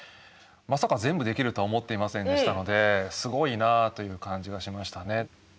まさか全部できるとは思っていませんでしたのですごいなという感じがしましたね。